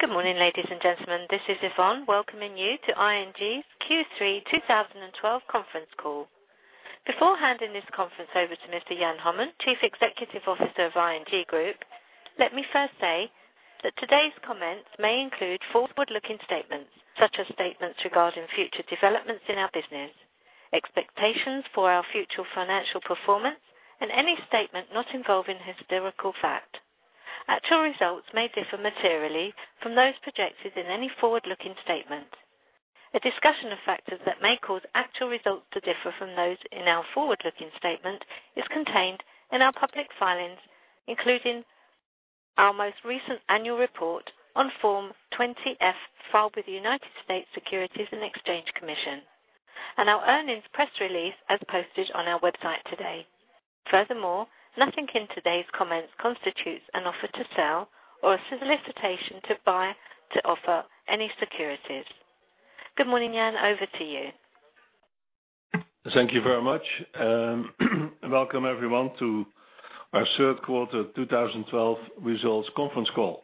Good morning, ladies and gentlemen. This is Yvonne, welcoming you to ING's Q3 2012 conference call. Beforehand in this conference over to Mr. Jan Hommen, Chief Executive Officer of ING Group. Let me first say that today's comments may include forward-looking statements, such as statements regarding future developments in our business, expectations for our future financial performance, and any statement not involving historical fact. Actual results may differ materially from those projected in any forward-looking statement. A discussion of factors that may cause actual results to differ from those in our forward-looking statement is contained in our public filings, including our most recent annual report on Form 20-F filed with the United States Securities and Exchange Commission, and our earnings press release as posted on our website today. Nothing in today's comments constitutes an offer to sell or a solicitation to buy, to offer any securities. Good morning, Jan, over to you. Thank you very much. Welcome, everyone, to our third quarter 2012 results conference call.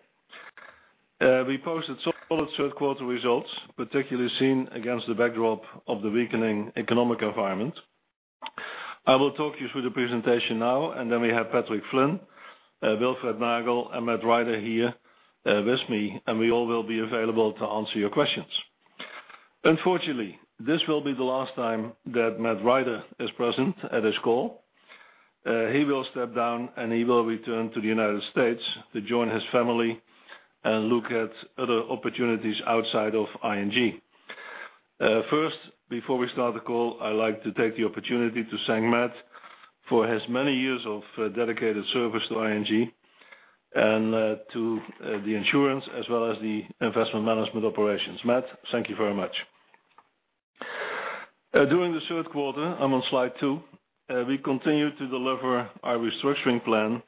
We posted solid third-quarter results, particularly seen against the backdrop of the weakening economic environment. I will talk you through the presentation now, then we have Patrick Flynn, Wilfred Nagel, and Matt Rider here with me, we all will be available to answer your questions. Unfortunately, this will be the last time that Matt Rider is present at this call. He will step down and he will return to the U.S. to join his family and look at other opportunities outside of ING. Before we start the call, I like to take the opportunity to thank Matt for his many years of dedicated service to ING and to the insurance as well as the investment management operations. Matt, thank you very much. During the third quarter, I'm on slide two, we continued to deliver our restructuring plan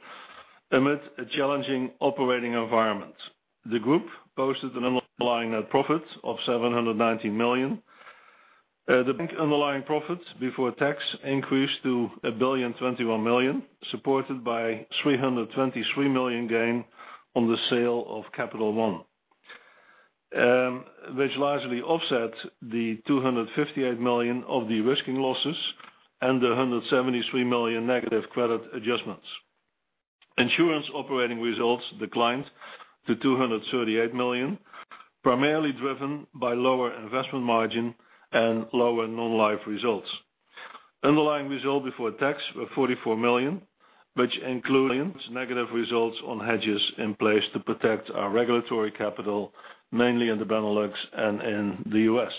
amid a challenging operating environment. The group posted an underlying net profit of EUR 790 million. The bank underlying profit before tax increased to 1,021 million, supported by 323 million gain on the sale of Capital One, which largely offset the 258 million of de-risking losses and the 173 million negative credit adjustments. Insurance operating results declined to 238 million, primarily driven by lower investment margin and lower non-life results. Underlying result before tax were 44 million, which include EUR millions negative results on hedges in place to protect our regulatory capital, mainly in the Benelux and in the U.S.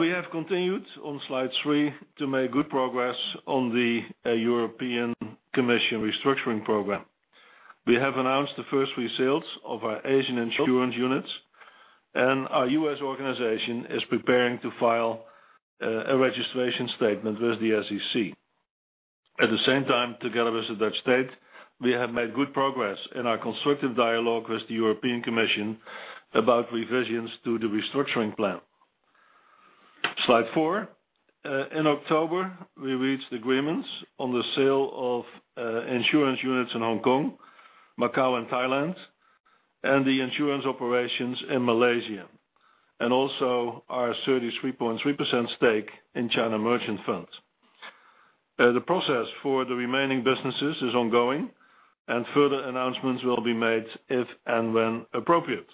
We have continued, on slide three, to make good progress on the European Commission restructuring program. We have announced the first three sales of our Asian insurance units, our U.S. organization is preparing to file a registration statement with the SEC. At the same time, together with the Dutch state, we have made good progress in our constructive dialogue with the European Commission about revisions to the restructuring plan. Slide four. In October, we reached agreements on the sale of insurance units in Hong Kong, Macau, and Thailand, the insurance operations in Malaysia, also our 33.3% stake in China Merchants Fund. The process for the remaining businesses is ongoing, further announcements will be made if and when appropriate.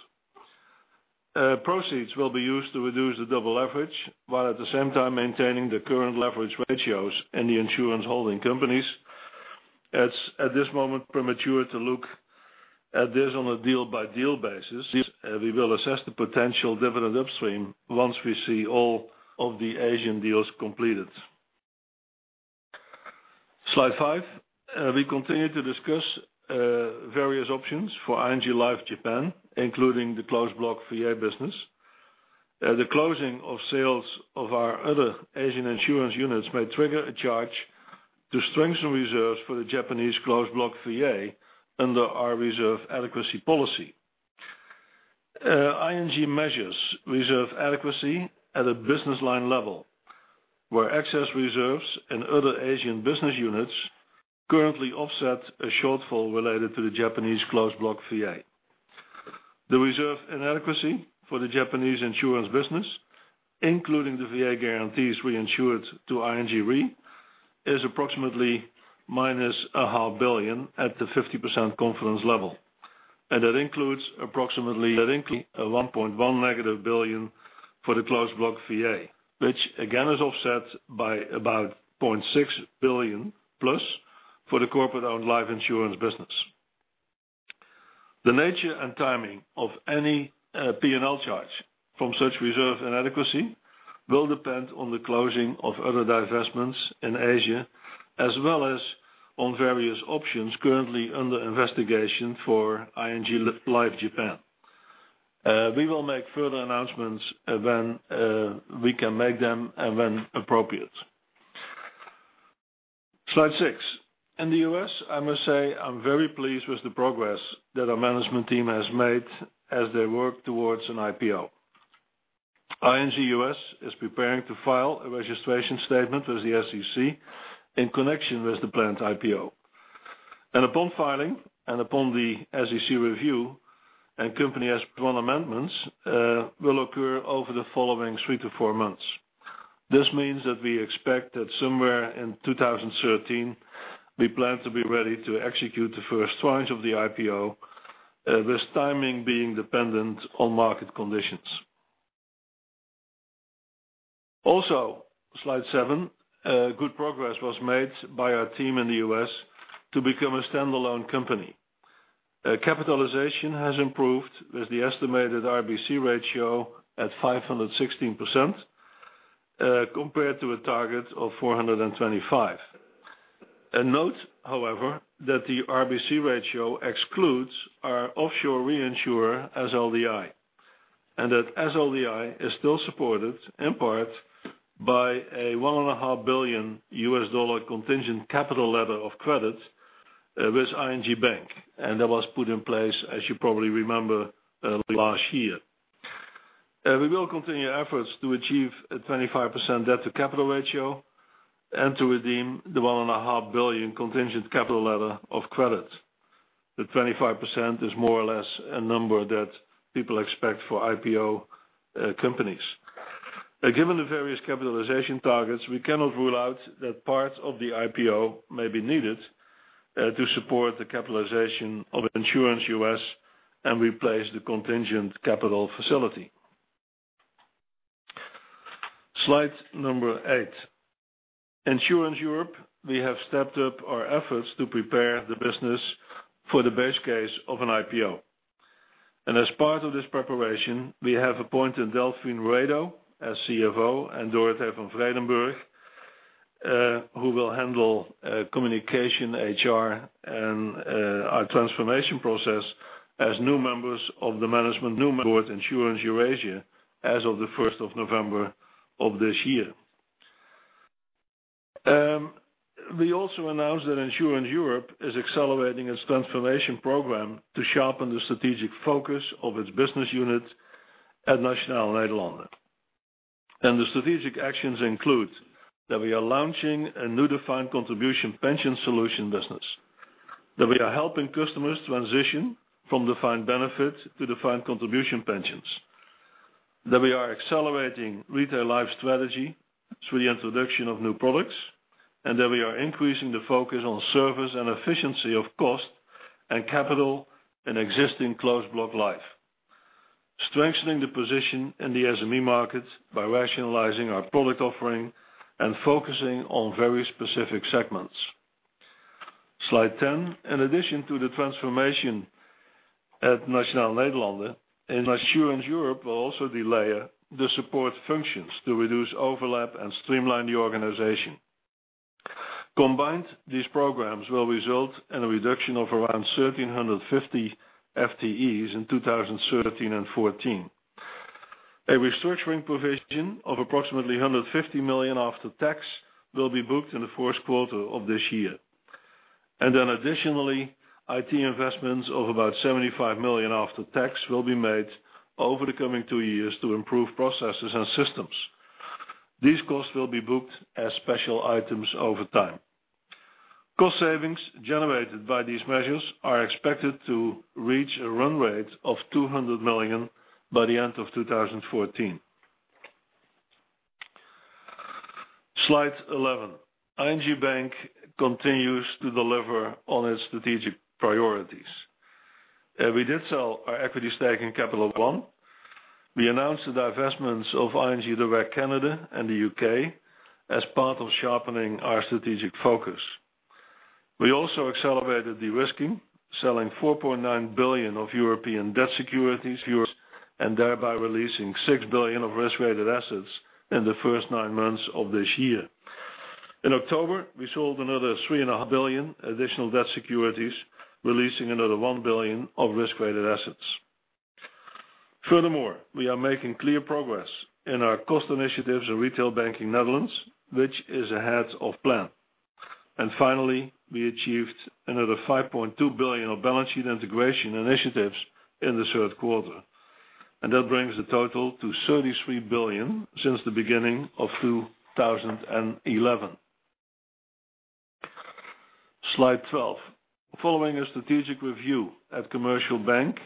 Proceeds will be used to reduce the double leverage, while at the same time maintaining the current leverage ratios in the insurance holding companies. At this moment, premature to look at this on a deal-by-deal basis. We will assess the potential dividend upstream once we see all of the Asian deals completed. Slide five. We continue to discuss various options for ING Life Japan, including the closed block VA business. The closing of sales of our other Asian insurance units may trigger a charge to strengthen reserves for the Japanese closed block VA under our reserve adequacy policy. ING measures reserve adequacy at a business line level, where excess reserves in other Asian business units currently offset a shortfall related to the Japanese closed block VA. The reserve inadequacy for the Japanese insurance business, including the VA guarantees we insured to ING Re, is approximately minus EUR a half billion at the 50% confidence level. That includes approximately, I think, 1.1 negative billion for the closed block VA, which again is offset by about 0.6 billion plus for the corporate-owned life insurance business. The nature and timing of any P&L charge from such reserve inadequacy will depend on the closing of other divestments in Asia, as well as on various options currently under investigation for ING Life Japan. We will make further announcements when we can make them and when appropriate. Slide six. In the U.S., I must say, I'm very pleased with the progress that our management team has made as they work towards an IPO. ING U.S. is preparing to file a registration statement with the SEC in connection with the planned IPO. Upon filing upon the SEC review, company S-1 amendments will occur over the following three to four months. This means that we expect that somewhere in 2013, we plan to be ready to execute the first tranche of the IPO, this timing being dependent on market conditions. Slide seven, good progress was made by our team in the U.S. to become a standalone company. Capitalization has improved with the estimated RBC ratio at 516% compared to a target of 425%. Note, however, that the RBC ratio excludes our offshore reinsurer, SLDI, that SLDI is still supported in part by a $1.5 billion contingent capital letter of credit with ING Bank, that was put in place, as you probably remember, last year. We will continue efforts to achieve a 25% debt-to-capital ratio and to redeem the $1.5 billion contingent capital letter of credit. The 25% is more or less a number that people expect for IPO companies. Given the various capitalization targets, we cannot rule out that parts of the IPO may be needed to support the capitalization of Insurance U.S. and replace the contingent capital facility. Slide number eight. Insurance Europe, we have stepped up our efforts to prepare the business for the base case of an IPO. As part of this preparation, we have appointed Delphine Rouedeau as CFO and Dorothee van Vredenburch, who will handle communication, HR, and our transformation process as new members of the management board, Insurance Eurasia, as of the 1st of November of this year. We also announced that Insurance Europe is accelerating its transformation program to sharpen the strategic focus of its business unit at Nationale-Nederlanden. The strategic actions include that we are launching a new defined contribution pension solution business, that we are helping customers transition from defined benefit to defined contribution pensions, that we are accelerating retail life strategy through the introduction of new products, and that we are increasing the focus on service and efficiency of cost and capital in existing closed block life. Strengthening the position in the SME market by rationalizing our product offering and focusing on very specific segments. Slide 10. In addition to the transformation at Nationale-Nederlanden, Insurance Europe will also delayer the support functions to reduce overlap and streamline the organization. Combined, these programs will result in a reduction of around 1,350 FTEs in 2013 and 2014. A restructuring provision of approximately 150 million after tax will be booked in the first quarter of this year. Additionally, IT investments of about 75 million after tax will be made over the coming two years to improve processes and systems. These costs will be booked as special items over time. Cost savings generated by these measures are expected to reach a run rate of 200 million by the end of 2014. Slide 11. ING Bank continues to deliver on its strategic priorities. We did sell our equity stake in Capital One. We announced the divestments of ING Direct Canada and the U.K. as part of sharpening our strategic focus. We also accelerated de-risking, selling 4.9 billion of European debt securities, and thereby releasing 6 billion of risk-weighted assets in the first nine months of this year. In October, we sold another 3.5 billion additional debt securities, releasing another 1 billion of risk-weighted assets. Furthermore, we are making clear progress in our cost initiatives in Retail Banking Netherlands, which is ahead of plan. Finally, we achieved another 5.2 billion of balance sheet integration initiatives in the third quarter, and that brings the total to 33 billion since the beginning of 2011. Slide 12. Following a strategic review at Commercial Bank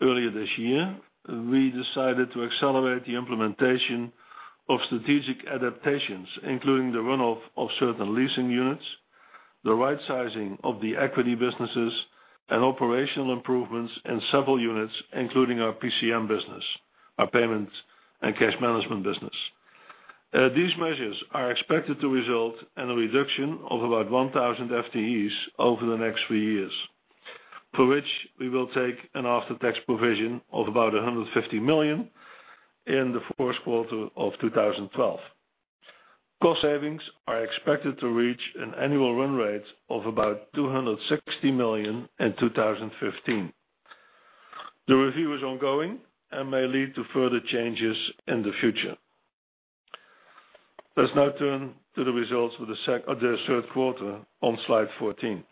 earlier this year, we decided to accelerate the implementation of strategic adaptations, including the run-off of certain leasing units, the right sizing of the equity businesses, and operational improvements in several units, including our PCM business, our payments and cash management business. These measures are expected to result in a reduction of about 1,000 FTEs over the next few years, for which we will take an after-tax provision of about 150 million in the first quarter of 2012. Cost savings are expected to reach an annual run rate of about 260 million in 2015. The review is ongoing and may lead to further changes in the future. Let's now turn to the results of the third quarter on slide 14.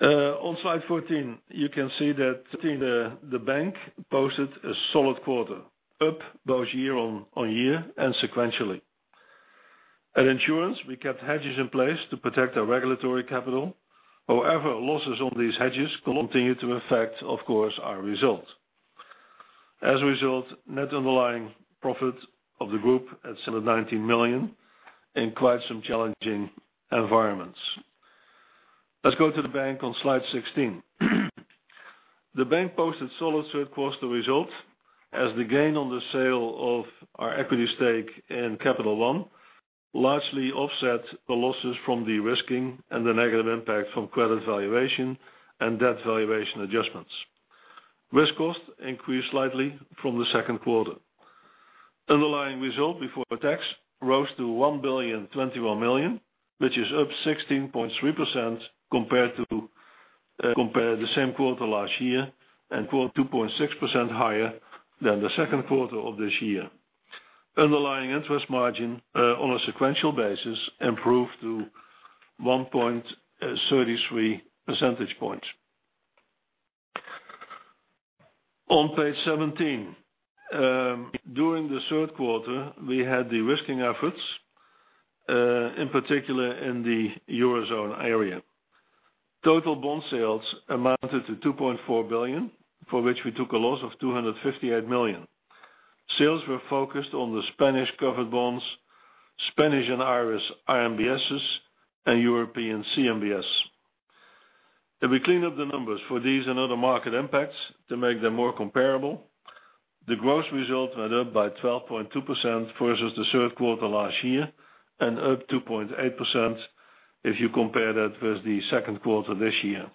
On slide 14, you can see that the bank posted a solid quarter, up both year-over-year and sequentially. At Insurance, we kept hedges in place to protect our regulatory capital. Losses on these hedges continue to affect, of course, our result. Net underlying profit of the group at 790 million in quite some challenging environments. Let's go to the bank on slide 16. The bank posted solid third quarter results as the gain on the sale of our equity stake in Capital One largely offset the losses from de-risking and the negative impact from credit valuation and debt valuation adjustments. Risk cost increased slightly from the second quarter. Underlying result before tax rose to 1,021 million, which is up 16.3% compared the same quarter last year, and 2.6% higher than the second quarter of this year. Underlying interest margin on a sequential basis improved to 1.33 percentage points. On page 17. During the third quarter, we had de-risking efforts, in particular in the Eurozone area. Total bond sales amounted to 2.4 billion, for which we took a loss of 258 million. Sales were focused on the Spanish covered bonds, Spanish and Irish RMBSs, and European CMBS. If we clean up the numbers for these and other market impacts to make them more comparable, the gross results went up by 12.2% versus the third quarter last year and up 2.8% if you compare that with the second quarter this year.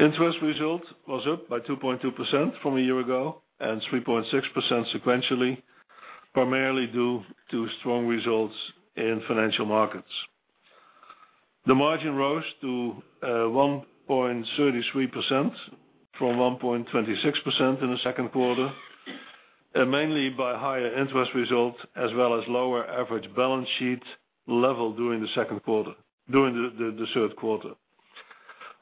Interest result was up by 2.2% from a year ago and 3.6% sequentially, primarily due to strong results in financial markets. The margin rose to 1.33% from 1.26% in the second quarter, mainly by higher interest results, as well as lower average balance sheet level during the third quarter.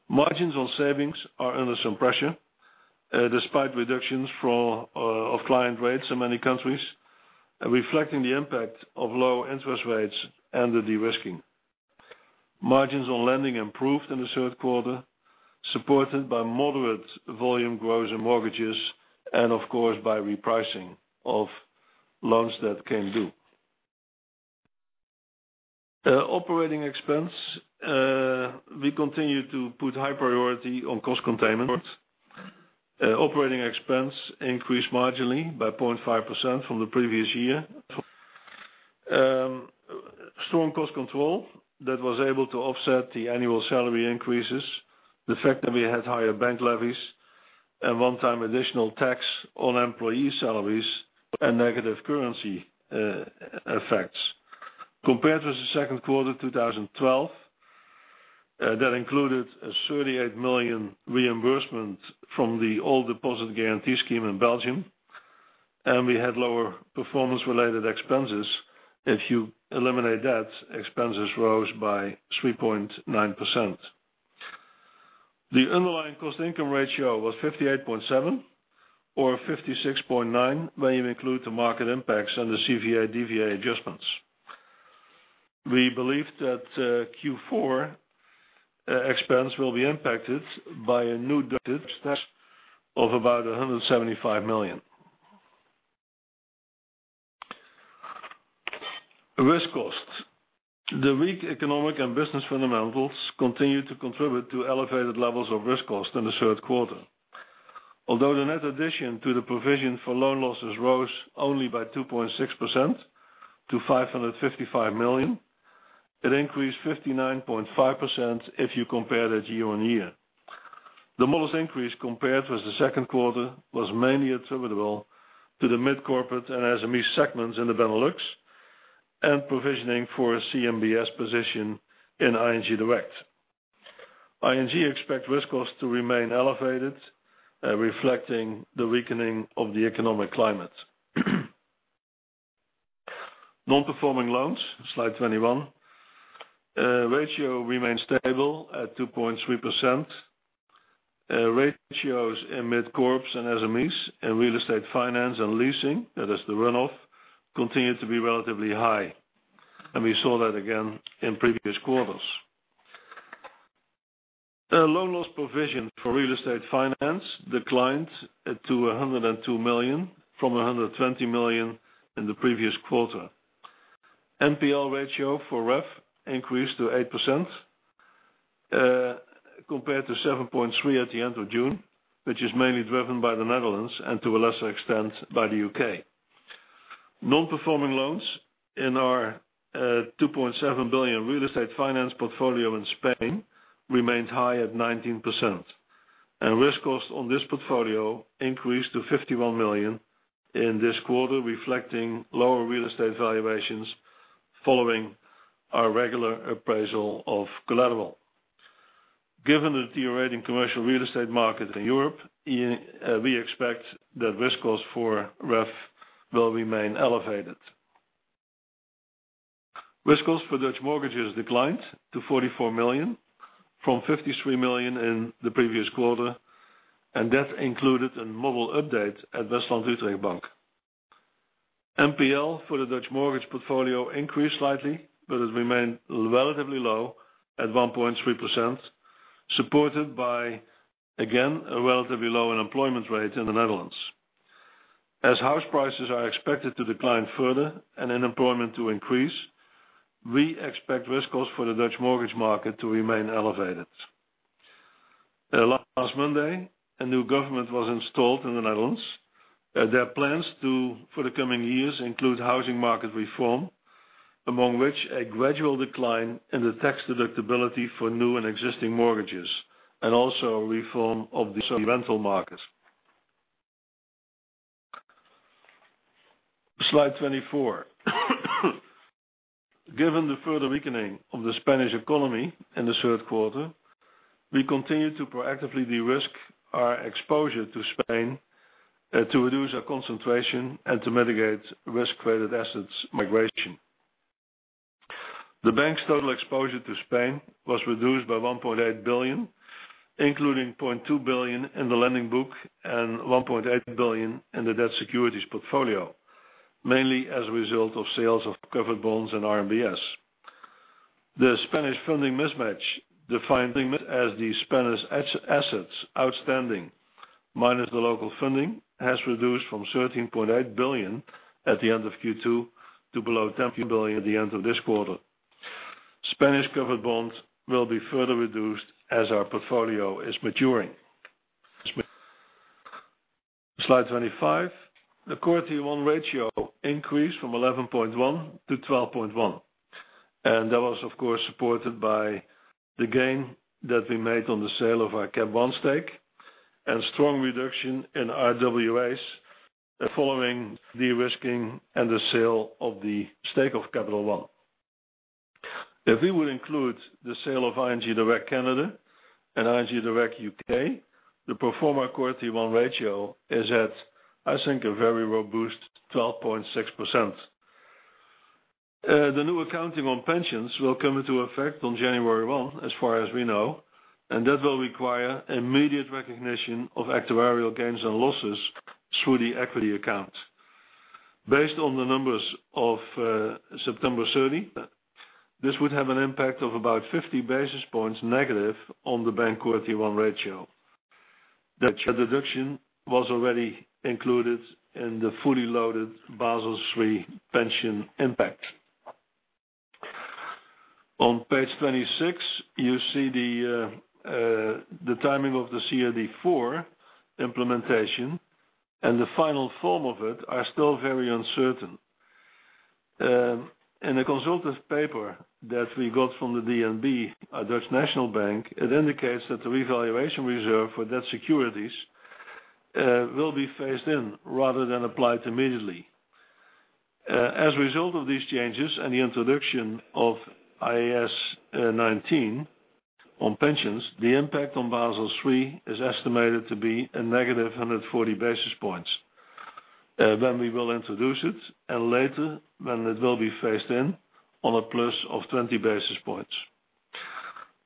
Margins on savings are under some pressure, despite reductions of client rates in many countries, reflecting the impact of low interest rates and the de-risking. Margins on lending improved in the third quarter, supported by moderate volume growth in mortgages and of course by repricing of loans that came due. Operating expense. We continue to put high priority on cost containment. Operating expense increased marginally by 0.5% from the previous year. Strong cost control that was able to offset the annual salary increases, the fact that we had higher bank levies, a one-time additional tax on employee salaries, and negative currency effects. Compared with the second quarter 2012, that included a 38 million reimbursement from the old deposit guarantee scheme in Belgium, and we had lower performance-related expenses. If you eliminate that, expenses rose by 3.9%. The underlying cost-income ratio was 58.7% or 56.9% when you include the market impacts on the CVA/DVA adjustments. We believe that Q4 expense will be impacted by a new 175 million. Risk cost. The weak economic and business fundamentals continued to contribute to elevated levels of risk cost in the third quarter. Although the net addition to the provision for loan losses rose only by 2.6% to 555 million, it increased 59.5% if you compare that year-on-year. The modest increase compared with the second quarter was mainly attributable to the Mid Corporate and SMEs segments in the Benelux and provisioning for a CMBS position in ING Direct. ING expect risk cost to remain elevated, reflecting the weakening of the economic climate. Non-performing loans, slide 21. Ratio remained stable at 2.3%. Ratios in Mid-Corps and SMEs and Real Estate Finance and leasing, that is the runoff, continued to be relatively high, and we saw that again in previous quarters. Loan loss provision for Real Estate Finance declined to 102 million from 120 million in the previous quarter. NPL ratio for REF increased to 8%, compared to 7.3% at the end of June, which is mainly driven by the Netherlands and to a lesser extent by the U.K. Non-performing loans in our 2.7 billion Real Estate Finance portfolio in Spain remained high at 19%. Risk cost on this portfolio increased to 51 million in this quarter, reflecting lower real estate valuations following our regular appraisal of collateral. Given the deteriorating Commercial Real Estate market in Europe, we expect that risk cost for REF will remain elevated. Risk cost for Dutch mortgages declined to 44 million from 53 million in the previous quarter, and that included a model update at WestlandUtrecht Bank. NPL for the Dutch mortgage portfolio increased slightly, but has remained relatively low at 1.3%, supported by, again, a relatively low unemployment rate in the Netherlands. As house prices are expected to decline further and unemployment to increase, we expect risk cost for the Dutch mortgage market to remain elevated. Last Monday, a new government was installed in the Netherlands. Their plans for the coming years include housing market reform, among which a gradual decline in the tax deductibility for new and existing mortgages, and also reform of the semi-rental markets. Slide 24. Given the further weakening of the Spanish economy in the third quarter, we continue to proactively de-risk our exposure to Spain to reduce our concentration and to mitigate risk-weighted assets migration. The bank's total exposure to Spain was reduced by 1.8 billion, including 0.2 billion in the lending book and 1.8 billion in the debt securities portfolio, mainly as a result of sales of covered bonds and RMBS. The Spanish funding mismatch, defined as the Spanish assets outstanding minus the local funding, has reduced from 13.8 billion at the end of Q2 to below 10 billion at the end of this quarter. Spanish covered bonds will be further reduced as our portfolio is maturing. Slide 25. The Core Tier 1 ratio increased from 11.1% to 12.1%, and that was, of course, supported by the gain that we made on the sale of our Cap One stake and strong reduction in RWAs following de-risking and the sale of the stake of Capital One. If we would include the sale of ING Direct Canada and ING Direct U.K., the pro forma Core Tier 1 ratio is at, I think, a very robust 12.6%. The new accounting on pensions will come into effect on January 1, as far as we know, and that will require immediate recognition of actuarial gains and losses through the equity account. Based on the numbers of September 30, this would have an impact of about 50 basis points negative on the bank Core Tier 1 ratio. That deduction was already included in the fully loaded Basel III pension impact. On page 26, you see the timing of the CRD IV implementation and the final form of it are still very uncertain. In a consultation paper that we got from the DNB, De Nederlandsche Bank, it indicates that the revaluation reserve for debt securities will be phased in rather than applied immediately. As a result of these changes and the introduction of IAS 19 on pensions, the impact on Basel III is estimated to be a negative 140 basis points. We will introduce it, and later when it will be phased in on a plus of 20 basis points.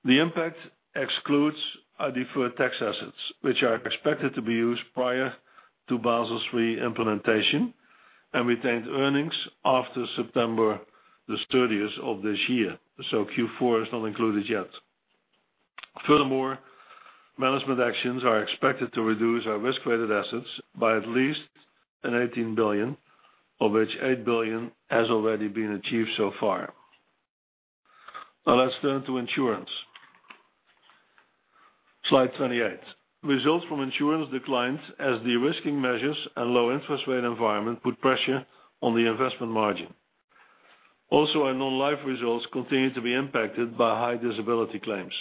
The impact excludes our deferred tax assets, which are expected to be used prior to Basel III implementation and retained earnings after September the 30th of this year. So Q4 is not included yet. Furthermore, management actions are expected to reduce our risk-weighted assets by at least 18 billion, of which 8 billion has already been achieved so far. Now let's turn to insurance. Slide 28. Results from insurance declined as de-risking measures and low interest rate environment put pressure on the investment margin. Also, our Non-life results continued to be impacted by high disability claims.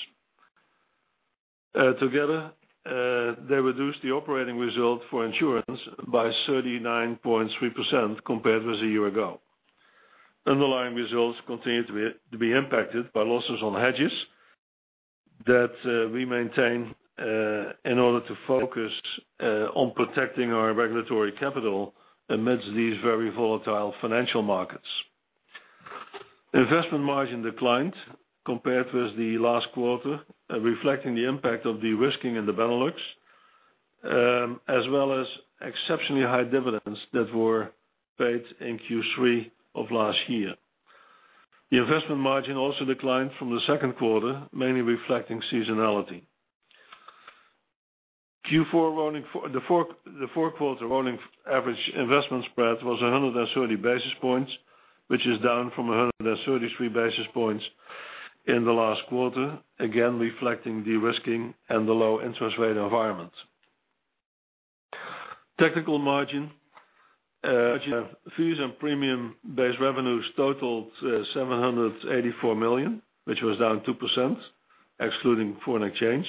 Together, they reduced the operating result for insurance by 39.3% compared with a year ago. Underlying results continued to be impacted by losses on hedges that we maintain in order to focus on protecting our regulatory capital amidst these very volatile financial markets. Investment margin declined compared with the last quarter, reflecting the impact of de-risking in the Benelux, as well as exceptionally high dividends that were paid in Q3 of last year. The investment margin also declined from the second quarter, mainly reflecting seasonality. The fourth quarter rolling average investment spread was 130 basis points, which is down from 133 basis points in the last quarter, again, reflecting de-risking and the low interest rate environment. Technical margin. Fees and premium-based revenues totaled 784 million, which was down 2%, excluding foreign exchange.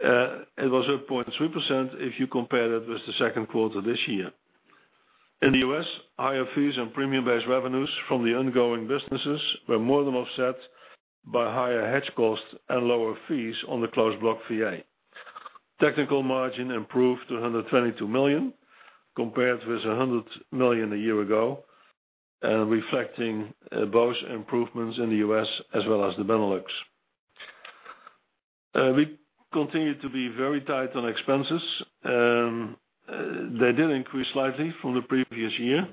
It was up 0.3% if you compare that with the second quarter this year. In the U.S., higher fees and premium-based revenues from the ongoing businesses were more than offset by higher hedge costs and lower fees on the closed block VA. Technical margin improved to 122 million, compared with 100 million a year ago, reflecting both improvements in the U.S. as well as the Benelux. We continue to be very tight on expenses. They did increase slightly from the previous year,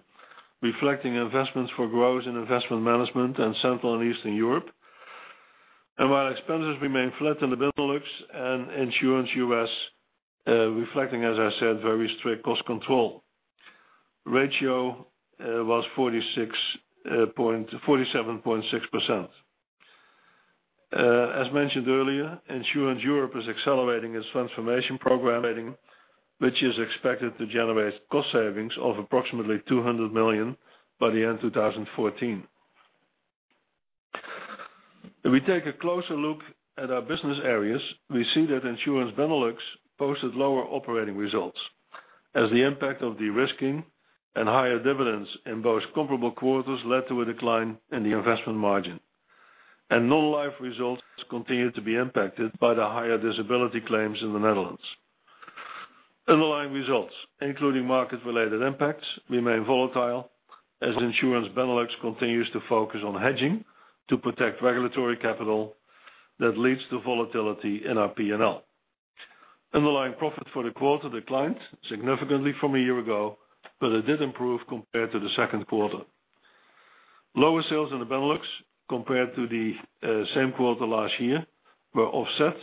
reflecting investments for growth in investment management and Central and Eastern Europe. While expenses remain flat in the Benelux and Insurance U.S., reflecting, as I said, very strict cost control. Ratio was 47.6%. As mentioned earlier, Insurance Europe is accelerating its transformation program, which is expected to generate cost savings of approximately 200 million by the end of 2014. If we take a closer look at our business areas, we see that Insurance Benelux posted lower operating results as the impact of de-risking and higher dividends in both comparable quarters led to a decline in the investment margin. Non-life results continued to be impacted by the higher disability claims in the Netherlands. Underlying results, including market-related impacts, remain volatile as Insurance Benelux continues to focus on hedging to protect regulatory capital that leads to volatility in our P&L. Underlying profit for the quarter declined significantly from a year ago, but it did improve compared to the second quarter. Lower sales in the Benelux compared to the same quarter last year were offset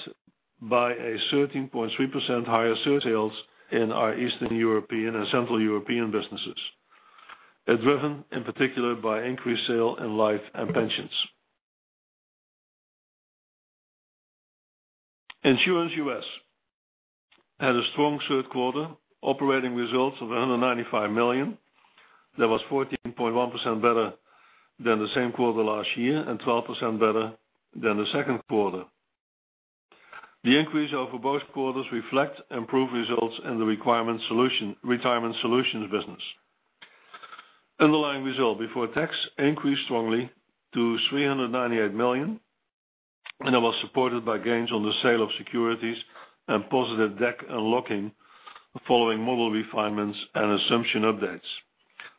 by a 13.3% higher sales in our Eastern European and Central European businesses. They are driven in particular by increased sale in Life and Pensions. ING U.S. had a strong third quarter operating results of 195 million. That was 14.1% better than the same quarter last year and 12% better than the second quarter. The increase over both quarters reflect improved results in the Retirement Solutions business. Underlying result before tax increased strongly to 398 million. That was supported by gains on the sale of securities and positive DAC unlocking following model refinements and assumption updates.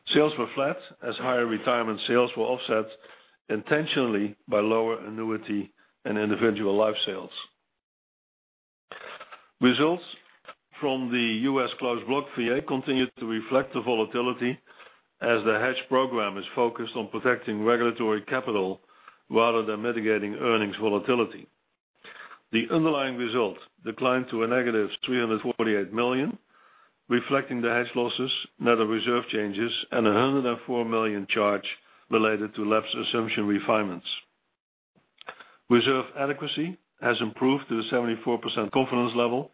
Sales were flat as higher retirement sales were offset intentionally by lower annuity and individual Life sales. Results from the U.S. closed block VA continued to reflect the volatility as the hedge program is focused on protecting regulatory capital rather than mitigating earnings volatility. The underlying result declined to a negative 348 million, reflecting the hedge losses, net of reserve changes, and 104 million charge related to lapse assumption refinements. Reserve adequacy has improved to a 74% confidence level.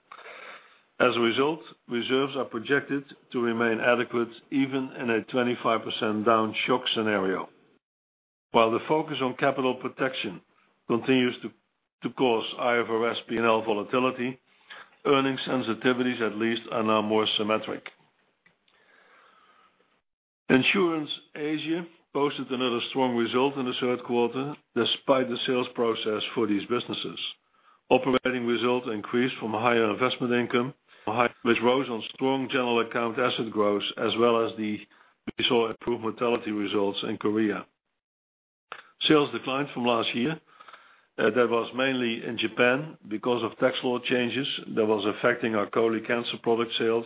As a result, reserves are projected to remain adequate even in a 25% down shock scenario. While the focus on capital protection continues to cause IFRS P&L volatility, earnings sensitivities at least are now more symmetric. Insurance Asia posted another strong result in the third quarter despite the sales process for these businesses. Operating results increased from higher investment income, which rose on strong general account asset growth. We saw improved mortality results in Korea. Sales declined from last year. That was mainly in Japan because of tax law changes that was affecting our COLI product sales,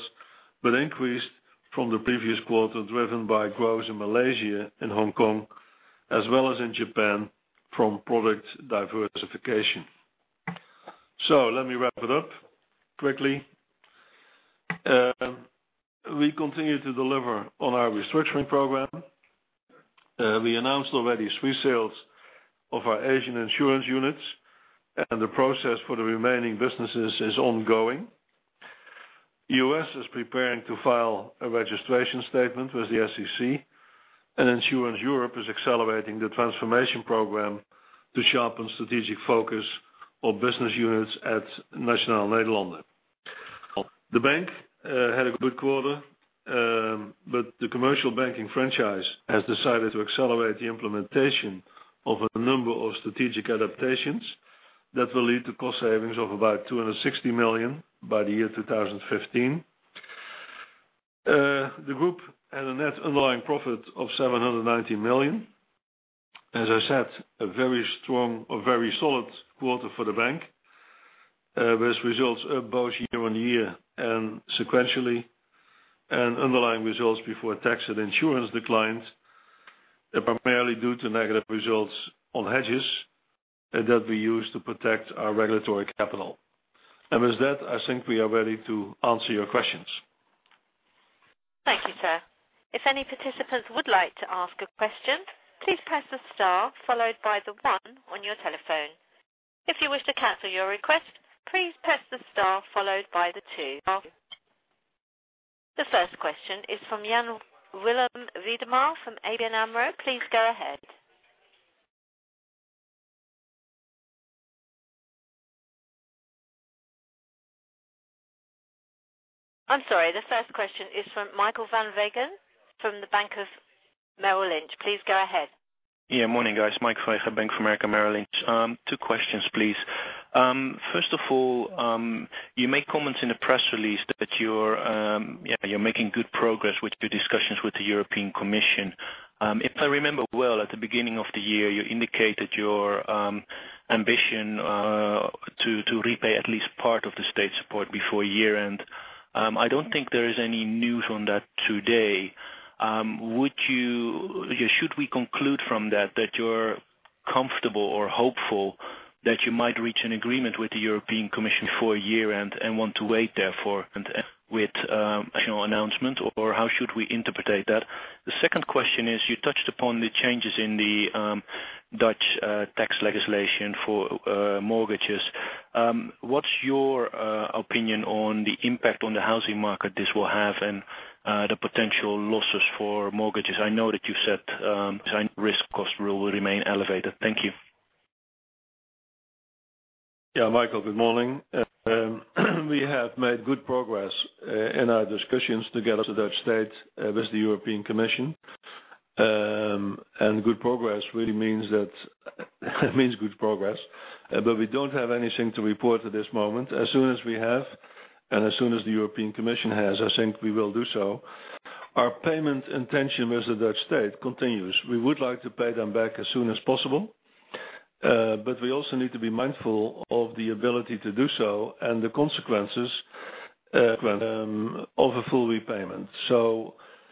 but increased from the previous quarter, driven by growth in Malaysia and Hong Kong, as well as in Japan from product diversification. Let me wrap it up quickly. We continue to deliver on our restructuring program. We announced already three sales of our Asian insurance units, and the process for the remaining businesses is ongoing. ING U.S. is preparing to file a registration statement with the SEC, and Insurance Europe is accelerating the transformation program to sharpen strategic focus of business units at Nationale-Nederlanden. The bank had a good quarter. The commercial banking franchise has decided to accelerate the implementation of a number of strategic adaptations that will lead to cost savings of about 260 million by the year 2015. The group had a net underlying profit of 790 million. As I said, a very strong or very solid quarter for the bank, with results both year-over-year and sequentially. Underlying results before tax and insurance declined primarily due to negative results on hedges that we use to protect our regulatory capital. With that, I think we are ready to answer your questions. Thank you, sir. If any participants would like to ask a question, please press the star followed by the one on your telephone. If you wish to cancel your request, please press the star followed by the two. The first question is from Jan Willem Weidema from ABN AMRO. Please go ahead. I'm sorry. The first question is from Michiel van Weegen from the Bank of America Merrill Lynch. Please go ahead. Yeah, morning, guys. Mike van Weegen, Bank of America Merrill Lynch. Two questions, please. First of all, you make comments in the press release that you're making good progress with your discussions with the European Commission. If I remember well, at the beginning of the year, you indicated your ambition to repay at least part of the state support before year-end. I don't think there is any news on that today. Should we conclude from that you're comfortable or hopeful that you might reach an agreement with the European Commission for a year-end and want to wait therefore with an announcement? How should we interpret that? The second question is, you touched upon the changes in the Dutch tax legislation for mortgages. What's your opinion on the impact on the housing market this will have and the potential losses for mortgages? I know that you said risk cost rule will remain elevated. Thank you. Yeah, Michiel, good morning. We have made good progress in our discussions together with the Dutch state, with the European Commission. Good progress really means good progress. We don't have anything to report at this moment. As soon as we have, and as soon as the European Commission has, I think we will do so. Our payment intention with the Dutch state continues. We would like to pay them back as soon as possible. We also need to be mindful of the ability to do so and the consequences of a full repayment.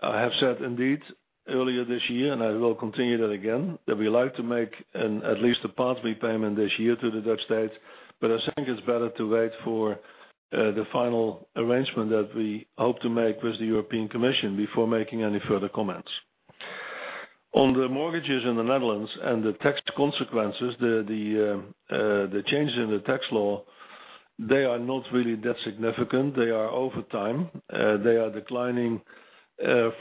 I have said indeed earlier this year, and I will continue that again, that we like to make at least a part repayment this year to the Dutch state. I think it's better to wait for the final arrangement that we hope to make with the European Commission before making any further comments. On the mortgages in the Netherlands and the tax consequences, the changes in the tax law, they are not really that significant. They are over time. They are declining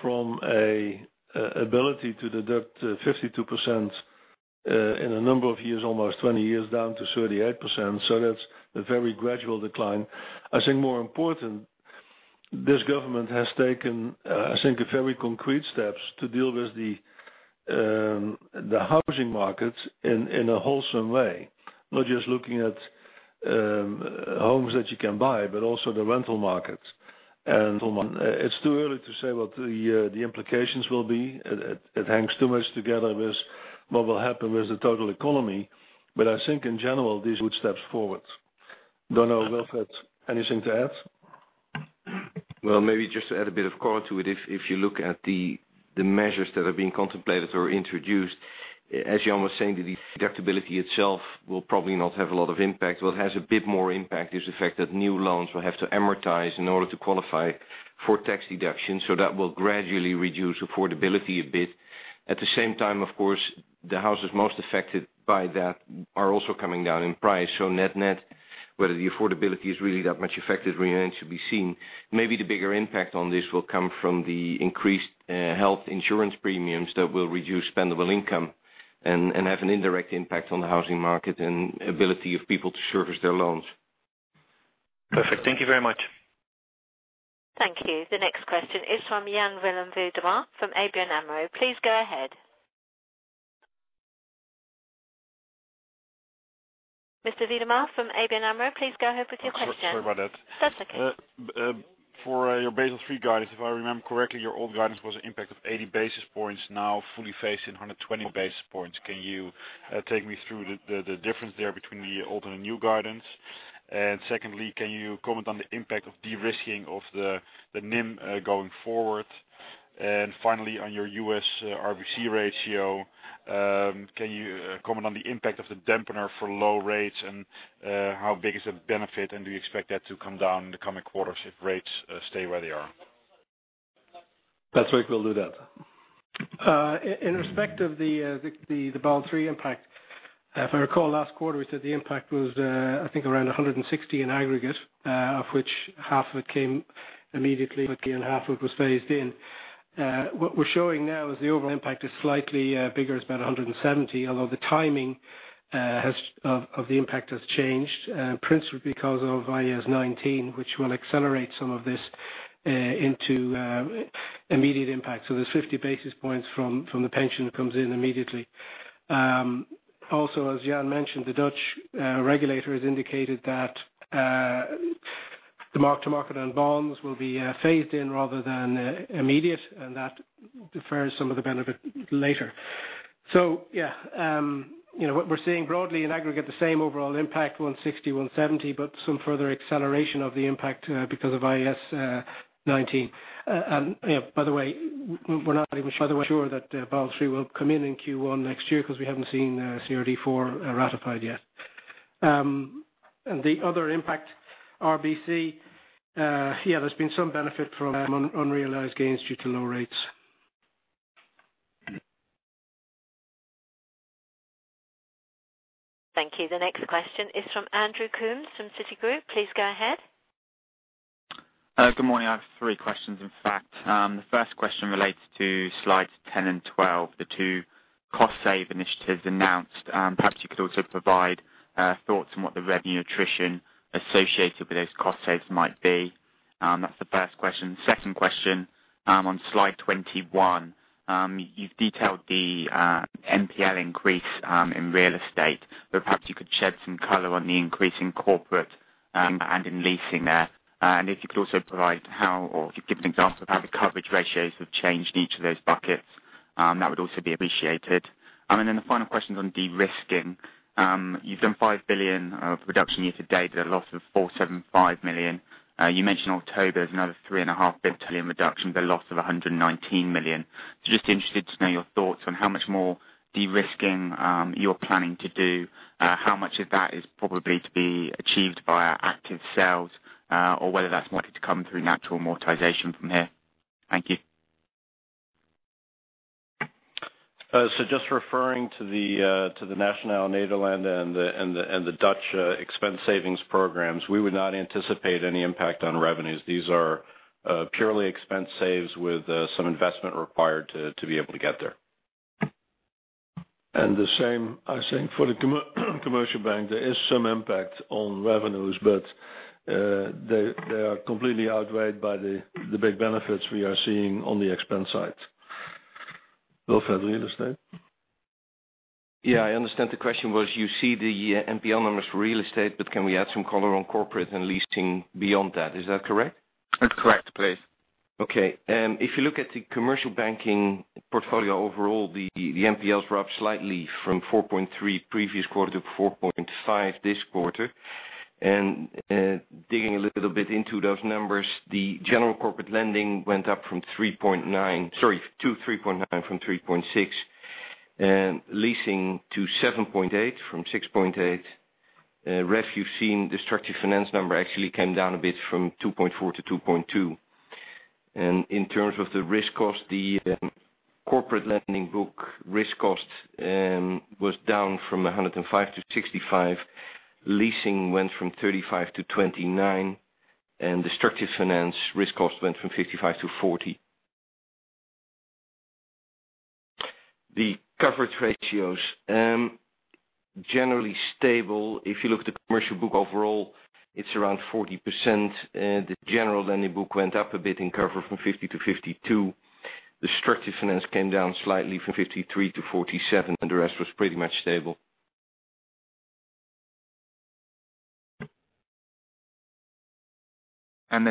from an ability to deduct 52% in a number of years, almost 20 years, down to 38%. That's a very gradual decline. I think more important, this government has taken, I think, very concrete steps to deal with the housing markets in a wholesome way. Not just looking at homes that you can buy, but also the rental markets. It's too early to say what the implications will be. It hangs too much together with what will happen with the total economy. I think in general, these are good steps forward. Don't know, Wilfred, anything to add? Well, maybe just to add a bit of color to it. If you look at the measures that are being contemplated or introduced, as Jan was saying, the deductibility itself will probably not have a lot of impact. What has a bit more impact is the fact that new loans will have to amortize in order to qualify for tax deduction, so that will gradually reduce affordability a bit. At the same time, of course, the houses most affected by that are also coming down in price. Net-net, whether the affordability is really that much affected remains to be seen. Maybe the bigger impact on this will come from the increased health insurance premiums that will reduce spendable income and have an indirect impact on the housing market and ability of people to service their loans. Perfect. Thank you very much. Thank you. The next question is from Jan Willem Weidema from ABN AMRO. Please go ahead. Mr. Weidema from ABN AMRO, please go ahead with your question. Sorry about that. That's okay. For your Basel III guidance, if I remember correctly, your old guidance was an impact of 80 basis points, now fully phased in 120 basis points. Can you take me through the difference there between the old and the new guidance? Secondly, can you comment on the impact of de-risking of the NIM going forward? Finally, on your U.S. RBC ratio, can you comment on the impact of the dampener for low rates, and how big is the benefit, and do you expect that to come down in the coming quarters if rates stay where they are? Patrick will do that. In respect of the Basel III impact, if I recall last quarter, we said the impact was, I think, around 160 in aggregate, of which half of it came immediately, and half of it was phased in. What we're showing now is the overall impact is slightly bigger. It's about 170, although the timing of the impact has changed, principally because of IAS 19, which will accelerate some of this into immediate impact. There's 50 basis points from the pension that comes in immediately. Also, as Jan mentioned, the Dutch regulator has indicated that the mark to market on bonds will be phased in rather than immediate, and that defers some of the benefit later. Yeah, what we're seeing broadly in aggregate, the same overall impact, 160, 170, but some further acceleration of the impact because of IAS 19. By the way, we're not entirely sure that Basel III will come in in Q1 next year because we haven't seen CRD IV ratified yet. The other impact, RBC, there's been some benefit from unrealized gains due to low rates. Thank you. The next question is from Andrew Coombs from Citigroup. Please go ahead. Good morning. I have three questions, in fact. The first question relates to slides 10 and 12, the two cost save initiatives announced. Perhaps you could also provide thoughts on what the revenue attrition associated with those cost saves might be. That's the first question. Second question, on slide 21. You've detailed the NPL increase in real estate, perhaps you could shed some color on the increase in corporate and in leasing there. If you could also provide how, or if you could give an example of how the coverage ratios have changed in each of those buckets, that would also be appreciated. The final question is on de-risking. You've done 5 billion of reduction year to date at a loss of 475 million. You mentioned October is another three and a half billion reduction with a loss of 119 million. Just interested to know your thoughts on how much more de-risking you're planning to do, how much of that is probably to be achieved via active sales, or whether that's likely to come through natural amortization from here. Thank you. Just referring to the Nationale-Nederlanden and the Dutch expense savings programs, we would not anticipate any impact on revenues. These are purely expense saves with some investment required to be able to get there. The same, I think, for the commercial bank. There is some impact on revenues, but they are completely outweighed by the big benefits we are seeing on the expense side. Wilfred, real estate? I understand the question was, you see the NPL numbers for real estate, but can we add some color on corporate and leasing beyond that? Is that correct? That's correct, please. If you look at the commercial banking portfolio overall, the NPLs were up slightly from 4.3% previous quarter to 4.5% this quarter. Digging a little bit into those numbers, the general corporate lending went up to 3.9% from 3.6%, and leasing to 7.8% from 6.8%. REF, you've seen the structured finance number actually came down a bit from 2.4% to 2.2%. In terms of the risk cost, the corporate lending book risk cost was down from 105 to 65. Leasing went from 35 to 29, and the structured finance risk cost went from 55 to 40. The coverage ratios, generally stable. If you look at the commercial book overall, it's around 40%. The general lending book went up a bit in cover from 50% to 52%. The structured finance came down slightly from 53% to 47%, and the rest was pretty much stable.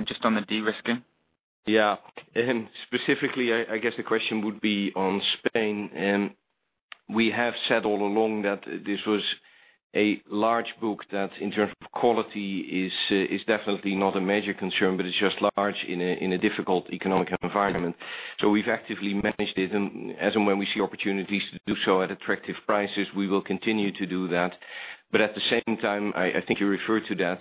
Just on the de-risking. Yeah. Specifically, I guess the question would be on Spain. We have said all along that this was a large book that in terms of quality is definitely not a major concern, but it's just large in a difficult economic environment. We've actively managed it and as and when we see opportunities to do so at attractive prices, we will continue to do that. At the same time, I think you referred to that,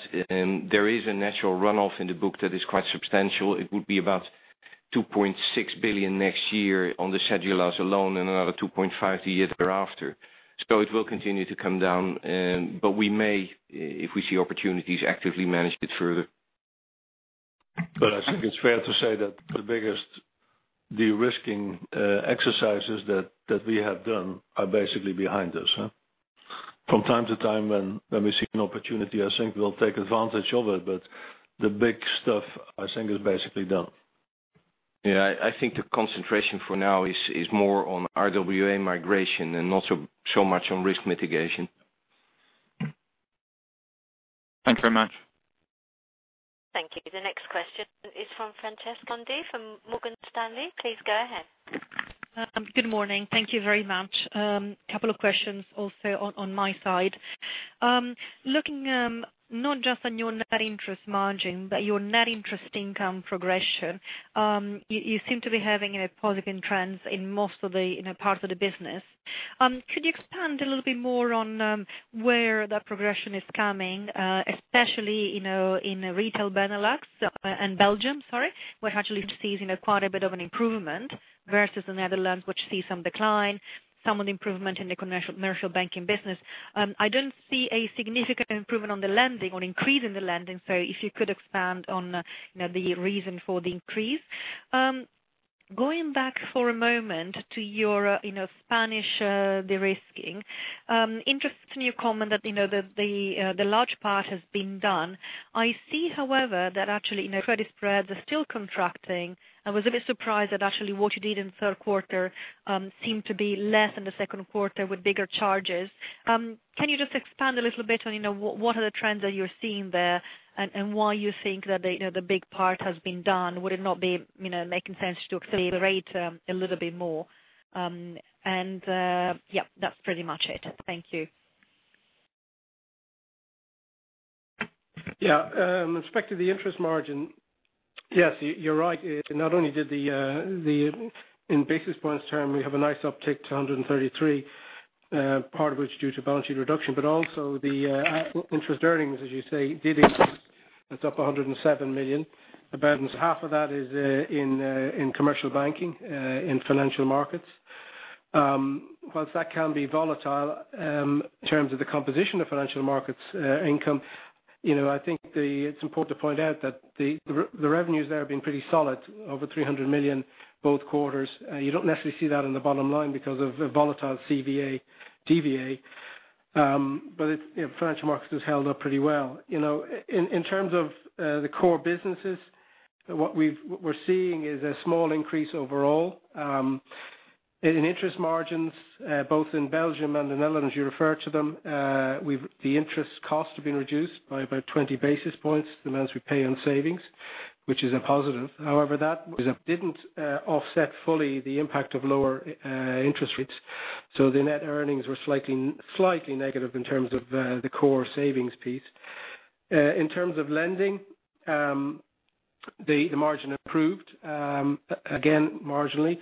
there is a natural runoff in the book that is quite substantial. It would be about 2.6 billion next year on the schedules alone and another 2.5 billion the year thereafter. It will continue to come down, but we may, if we see opportunities, actively manage it further. I think it's fair to say that the biggest de-risking exercises that we have done are basically behind us. From time to time, when we see an opportunity, I think we'll take advantage of it. The big stuff, I think, is basically done. Yeah, I think the concentration for now is more on RWA migration and not so much on risk mitigation. Thanks very much. Thank you. The next question is from Francesca DiMattio from Morgan Stanley. Please go ahead. Good morning. Thank you very much. Couple of questions also on my side. Looking not just on your net interest margin, but your net interest income progression. You seem to be having positive trends in most of the parts of the business. Could you expand a little bit more on where that progression is coming, especially in Retail Benelux and Belgium, sorry, where actually we're seeing quite a bit of an improvement versus the Netherlands, which see some decline, some of the improvement in the commercial banking business. I don't see a significant improvement on the lending or increase in the lending. If you could expand on the reason for the increase. Going back for a moment to your Spanish de-risking. Interestingly, your comment that the large part has been done. I see, however, that actually credit spreads are still contracting. I was a bit surprised that actually what you did in the third quarter seemed to be less than the second quarter with bigger charges. Can you just expand a little bit on what are the trends that you're seeing there and why you think that the big part has been done? Would it not be making sense to accelerate a little bit more? Yep, that's pretty much it. Thank you. Yeah. With respect to the interest margin, yes, you're right. Not only did, in basis points term, we have a nice uptick to 133, part of which is due to balance sheet reduction, also the interest earnings, as you say, did increase. That's up 107 million. About half of that is in commercial banking, in financial markets. Whilst that can be volatile, in terms of the composition of financial markets income, I think it's important to point out that the revenues there have been pretty solid, over 300 million both quarters. You don't necessarily see that in the bottom line because of the volatile CVA, DVA. Financial markets has held up pretty well. In terms of the core businesses, what we're seeing is a small increase overall. In interest margins, both in Belgium and the Netherlands, you refer to them, the interest costs have been reduced by about 20 basis points, the amounts we pay on savings, which is a positive. However, that didn't offset fully the impact of lower interest rates, the net earnings were slightly negative in terms of the core savings piece. In terms of lending, the margin improved, again marginally,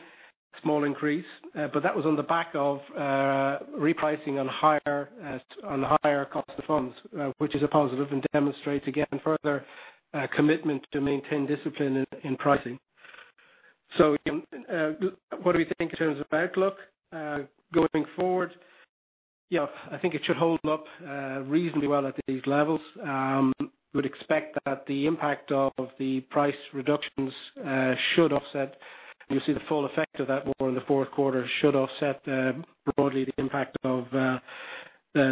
small increase. That was on the back of repricing on higher cost of funds, which is a positive and demonstrates again further commitment to maintain discipline in pricing. What do we think in terms of outlook going forward? Yeah, I think it should hold up reasonably well at these levels. Would expect that the impact of the price reductions should offset. You'll see the full effect of that more in the fourth quarter, should offset broadly the impact of the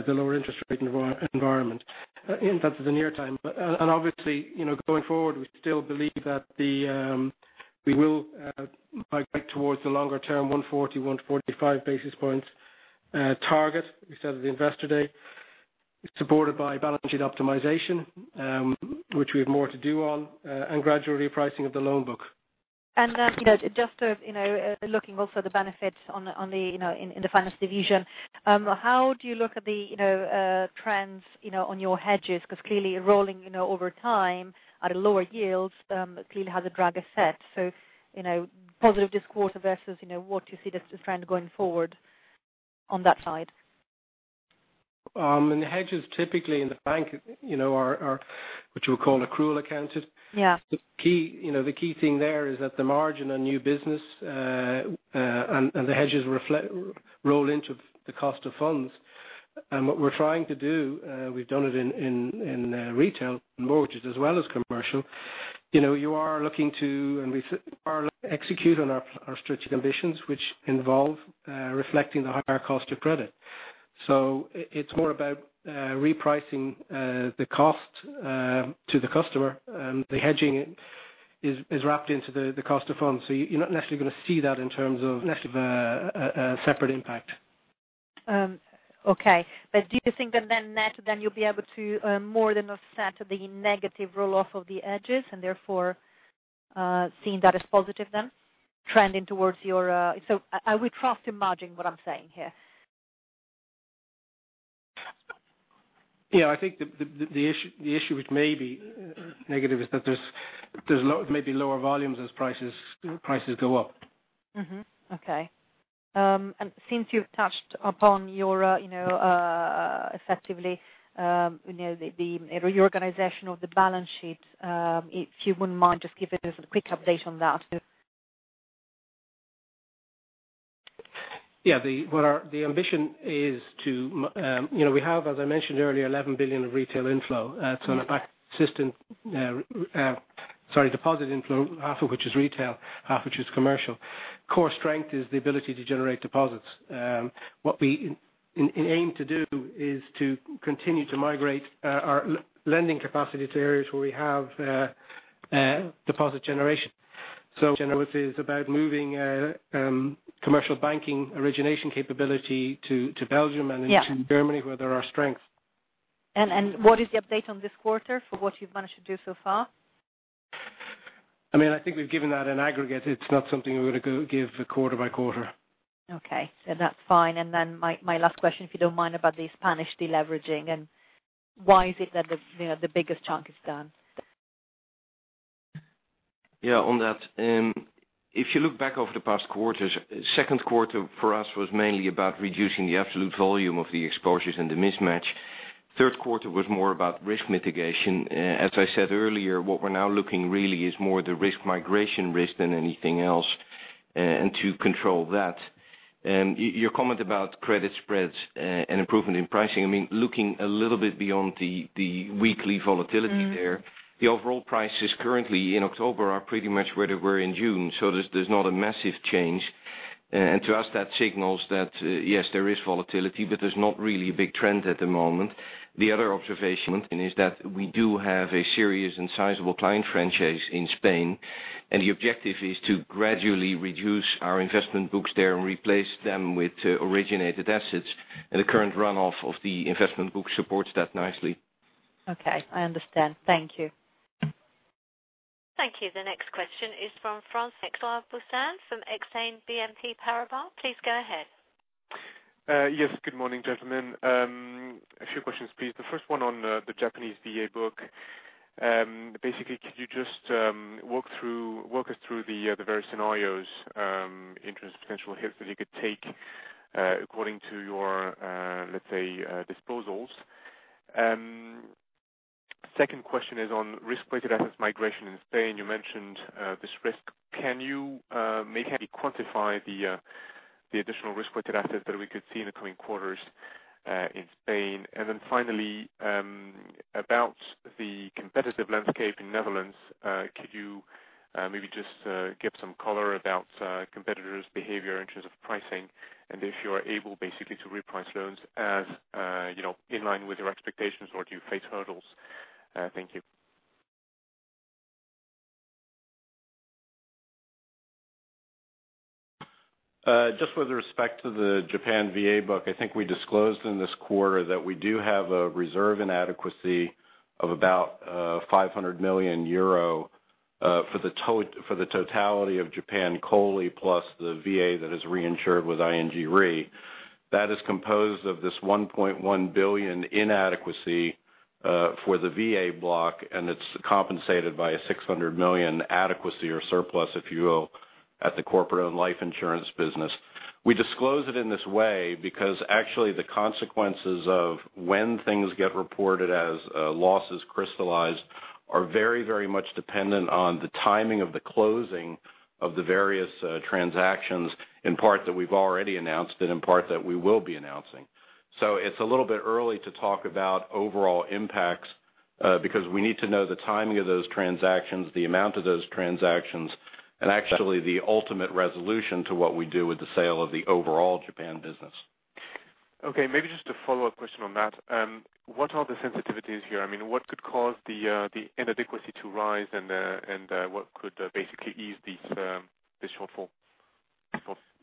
lower interest rate environment. In fact, in the near time. Obviously, going forward, we still believe that we will migrate towards the longer term 140, 145 basis points target we set at the investor day, supported by balance sheet optimization, which we have more to do on, and gradual repricing of the loan book. Just looking also the benefits in the finance division. How do you look at the trends on your hedges? Because clearly rolling over time at a lower yields clearly has a drag effect. Positive this quarter versus what you see this trend going forward on that side. The hedges typically in the bank are what you would call accrual accounted. Yeah. The key thing there is that the margin on new business, the hedges roll into the cost of funds. What we're trying to do, we've done it in retail mortgages as well as commercial. You are looking to, and we are executing on our strategic ambitions, which involve reflecting the higher cost of credit. It's more about repricing the cost to the customer. The hedging is wrapped into the cost of funds. You're not necessarily going to see that in terms of a separate impact. Okay. Do you think that then net, you'll be able to more than offset the negative roll-off of the hedges, and therefore seeing that as positive then, trending towards your are we cross the margin, what I'm saying here? Yeah, I think the issue which may be negative is that there's maybe lower volumes as prices go up. Okay. Since you've touched upon your effectively, the reorganization of the balance sheet, if you wouldn't mind just giving us a quick update on that. Yeah. The ambition is we have, as I mentioned earlier, 11 billion of retail inflow. Deposit inflow, half of which is retail, half of which is commercial. Core strength is the ability to generate deposits. What we aim to do is to continue to migrate our lending capacity to areas where we have deposit generation. Generally, it's about moving commercial banking origination capability to Belgium and into Germany, where there are strengths. What is the update on this quarter for what you've managed to do so far? I think we've given that in aggregate. It's not something we're going to give quarter by quarter. Okay. That's fine. My last question, if you don't mind, about the Spanish de-leveraging, why is it that the biggest chunk is done? Yeah, on that. If you look back over the past quarters, second quarter for us was mainly about reducing the absolute volume of the exposures and the mismatch. Third quarter was more about risk mitigation. As I said earlier, what we're now looking really is more the risk migration risk than anything else, and to control that. Your comment about credit spreads and improvement in pricing, looking a little bit beyond the weekly volatility there. The overall prices currently in October are pretty much where they were in June, so there's not a massive change. To us, that signals that, yes, there is volatility, but there's not really a big trend at the moment. The other observation is that we do have a serious and sizable client franchise in Spain, and the objective is to gradually reduce our investment books there and replace them with originated assets. The current runoff of the investment book supports that nicely. Okay. I understand. Thank you. Thank you. The next question is from Francois-Xavier Froissard from Exane BNP Paribas. Please go ahead. Yes. Good morning, gentlemen. A few questions, please. The first one on the Japanese VA book. Basically, could you just walk us through the various scenarios, in terms of potential hits that you could take, according to your, let's say, disposals. Second question is on risk-weighted assets migration in Spain. You mentioned this risk. Can you maybe quantify the additional risk-weighted assets that we could see in the coming quarters, in Spain? Finally, about the competitive landscape in Netherlands, could you maybe just give some color about competitors' behavior in terms of pricing? If you are able, basically, to reprice loans as in line with your expectations, or do you face hurdles? Thank you. Just with respect to the Japan VA book, I think we disclosed in this quarter that we do have a reserve inadequacy of about 500 million euro, for the totality of Japan COLI, plus the VA that is reinsured with ING Re. That is composed of this 1.1 billion inadequacy, for the VA block, and it's compensated by a 600 million adequacy or surplus, if you will, at the corporate-owned life insurance business. We disclose it in this way because actually the consequences of when things get reported as losses crystallized are very much dependent on the timing of the closing of the various transactions, in part that we've already announced and in part that we will be announcing. It's a little bit early to talk about overall impacts, because we need to know the timing of those transactions, the amount of those transactions, and actually the ultimate resolution to what we do with the sale of the overall Japan business. maybe just a follow-up question on that. What are the sensitivities here? What could cause the inadequacy to rise and what could basically ease this shortfall?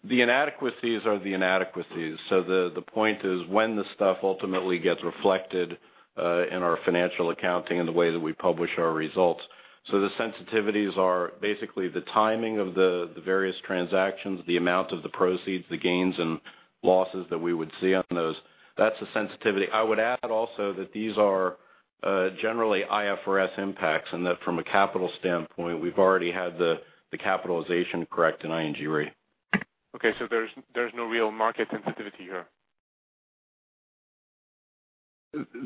The inadequacies are the inadequacies. The point is when the stuff ultimately gets reflected, in our financial accounting in the way that we publish our results. The sensitivities are basically the timing of the various transactions, the amount of the proceeds, the gains and losses that we would see on those. That's a sensitivity. I would add also that these are generally IFRS impacts and that from a capital standpoint, we've already had the capitalization correct in ING Re. There's no real market sensitivity here.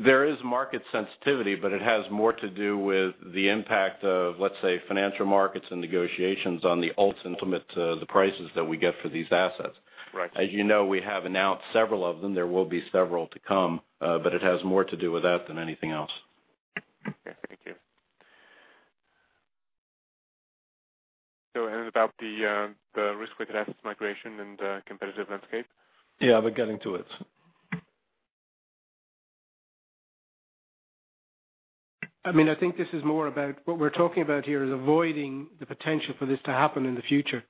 There is market sensitivity, it has more to do with the impact of, let's say, financial markets and negotiations on the ultimate, the prices that we get for these assets. Right. As you know, we have announced several of them. There will be several to come. It has more to do with that than anything else. Okay. Thank you. About the Risk-Weighted Assets migration and competitive landscape? Yeah, we're getting to it. I think this is more about what we're talking about here is avoiding the potential for this to happen in the future.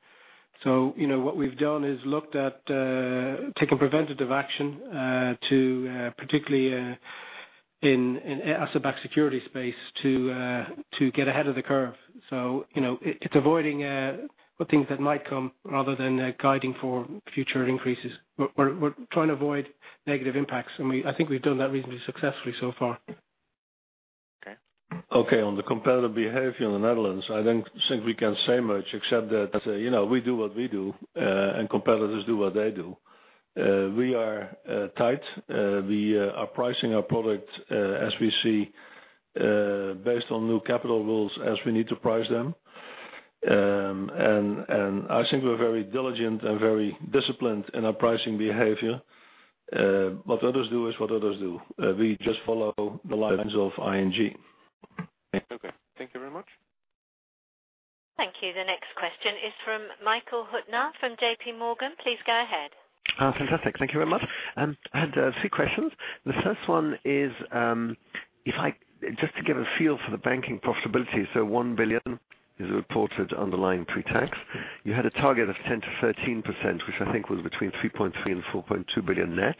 What we've done is looked at taking preventative action, particularly in asset-backed security space to get ahead of the curve. It's avoiding things that might come rather than guiding for future increases. We're trying to avoid negative impacts, and I think we've done that reasonably successfully so far. Okay. Okay. On the competitive behavior in the Netherlands, I don't think we can say much except that we do what we do, and competitors do what they do. We are tight. We are pricing our product, as we see, based on new capital rules as we need to price them. I think we're very diligent and very disciplined in our pricing behavior. What others do is what others do. We just follow the lines of ING. Okay. Thank you very much. Thank you. The next question is from Michael Huttner from JPMorgan. Please go ahead. Fantastic. Thank you very much. I had three questions. The first one is, just to get a feel for the banking profitability, 1 billion is a reported underlying pre-tax. You had a target of 10%-13%, which I think was between 3.3 billion and 4.2 billion net.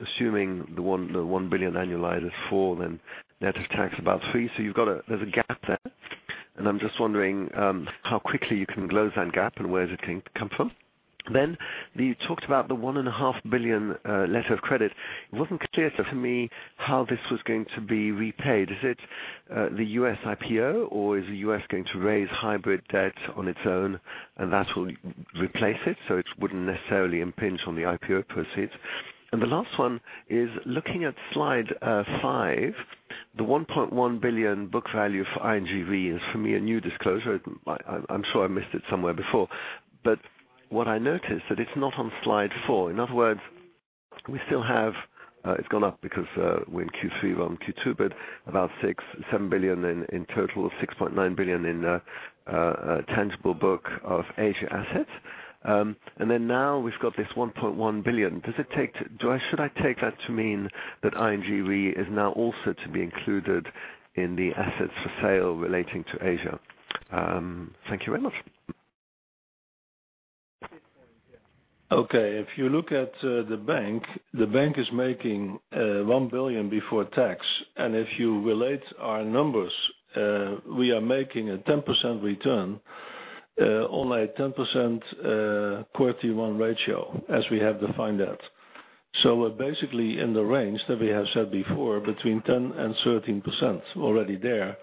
Assuming the 1 billion annualized is 4 billion, then net of tax about 3 billion. There's a gap there. I'm just wondering how quickly you can close that gap and where is it going to come from. You talked about the $1.5 billion letter of credit. It wasn't clear for me how this was going to be repaid. Is it the U.S. IPO or is the U.S. going to raise hybrid debt on its own and that will replace it, so it wouldn't necessarily impinge on the IPO proceeds? The last one is looking at slide five, the 1.1 billion book value for ING Re is for me a new disclosure. I'm sure I missed it somewhere before, but what I noticed that it's not on slide four. In other words, it's gone up because we're in Q3. We're on Q2, but about 6 billion-7 billion in total of 6.9 billion in tangible book of Asia assets. Then now we've got this 1.1 billion. Should I take that to mean that ING Re is now also to be included in the assets for sale relating to Asia? Thank you very much. Okay. If you look at the bank, the bank is making 1 billion before tax. If you relate our numbers, we are making a 10% return on a 10% Core Tier 1 ratio, as we have defined that. We're basically in the range that we have said before, between 10%-13% already there.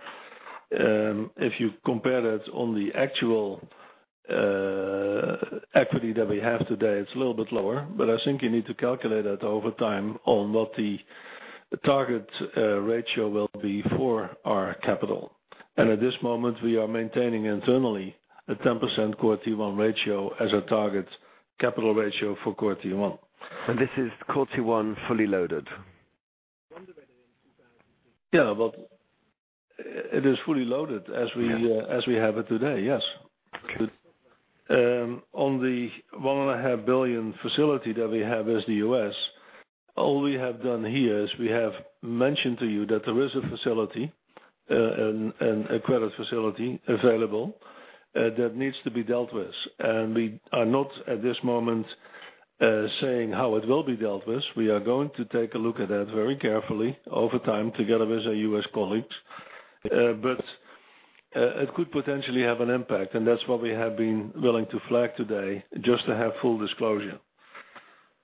If you compare that on the actual equity that we have today, it's a little bit lower. I think you need to calculate that over time on what the target ratio will be for our capital. At this moment, we are maintaining internally a 10% Core Tier 1 ratio as our target capital ratio for Core Tier 1. This is Core Tier 1 fully loaded? Yeah, it is fully loaded as we have it today. Yes. Okay. On the $1.5 billion facility that we have with the U.S., all we have done here is we have mentioned to you that there is a facility, and a credit facility available that needs to be dealt with. We are not at this moment saying how it will be dealt with. We are going to take a look at that very carefully over time, together with our U.S. colleagues. It could potentially have an impact, and that's what we have been willing to flag today just to have full disclosure.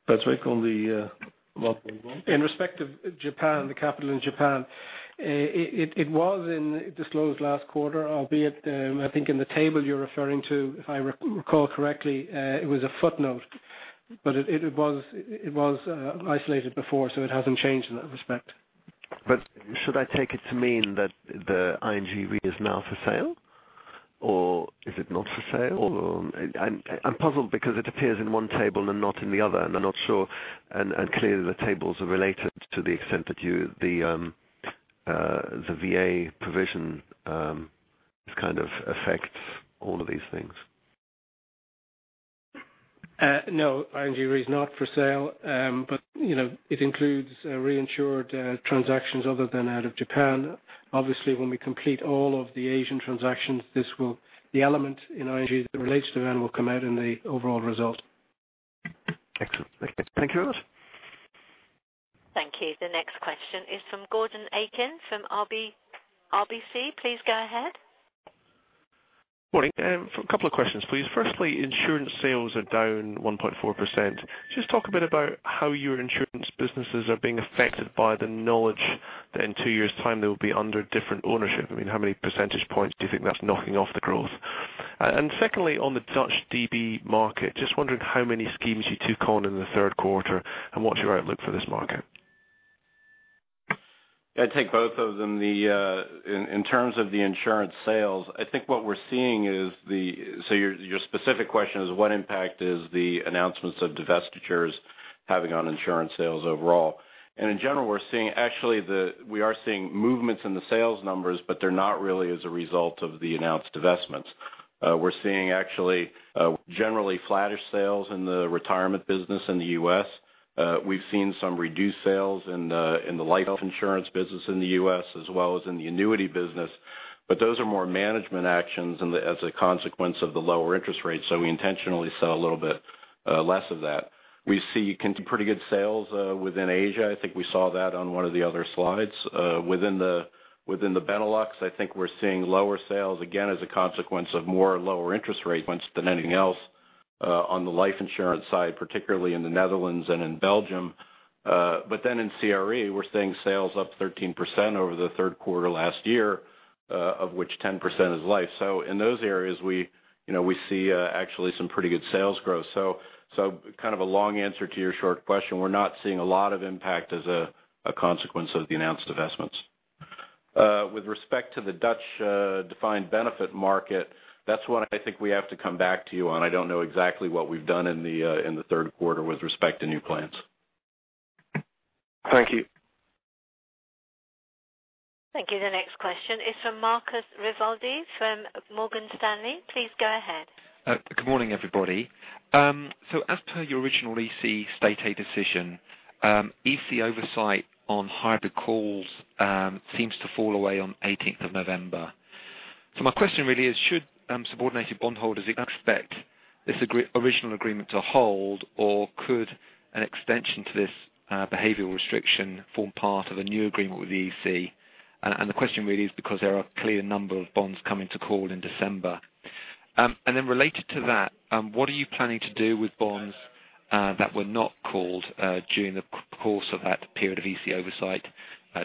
Patrick, on the 1.1? In respect of Japan, the capital in Japan, it was disclosed last quarter, albeit, I think in the table you're referring to, if I recall correctly, it was a footnote. It was isolated before, so it hasn't changed in that respect. Should I take it to mean that the ING Re is now for sale, or is it not for sale? I'm puzzled because it appears in one table and not in the other, and I'm not sure, and clearly the tables are related to the extent that the VA provision kind of affects all of these things. No, ING Re is not for sale. It includes reinsured transactions other than out of Japan. Obviously, when we complete all of the Asian transactions, the element in ING that relates to then will come out in the overall result. Excellent. Thank you for that. Thank you. The next question is from Gordon Aitken from RBC. Please go ahead. Morning. A couple of questions, please. Firstly, insurance sales are down 1.4%. Just talk a bit about how your insurance businesses are being affected by the knowledge that in two years' time they will be under different ownership. How many percentage points do you think that's knocking off the growth? And secondly, on the Dutch DB market, just wondering how many schemes you took on in the third quarter and what's your outlook for this market? I'll take both of them. Your specific question is what impact is the announcements of divestitures having on insurance sales overall? In general, we are seeing movements in the sales numbers, but they're not really as a result of the announced divestments. We're seeing actually generally flattish sales in the retirement business in the U.S. We've seen some reduced sales in the life insurance business in the U.S. as well as in the annuity business. Those are more management actions as a consequence of the lower interest rates. We intentionally sell a little bit less of that. We see pretty good sales within Asia. I think we saw that on one of the other slides. Within the Benelux, I think we're seeing lower sales, again, as a consequence of more lower interest rate ones than anything else on the life insurance side, particularly in the Netherlands and in Belgium. In CRE, we're seeing sales up 13% over the third quarter last year, of which 10% is life. In those areas, we see actually some pretty good sales growth. A long answer to your short question. We're not seeing a lot of impact as a consequence of the announced divestments. With respect to the Dutch defined benefit market, that's one I think we have to come back to you on. I don't know exactly what we've done in the third quarter with respect to new plans. Thank you. Thank you. The next question is from Marcus Vivaldi from Morgan Stanley. Please go ahead. Good morning, everybody. As per your original EC state aid decision, EC oversight on hybrid calls seems to fall away on 18th of November. My question really is should subordinated bondholders expect this original agreement to hold, or could an extension to this behavioral restriction form part of a new agreement with the EC? The question really is because there are a clear number of bonds coming to call in December. Related to that, what are you planning to do with bonds that were not called during the course of that period of EC oversight?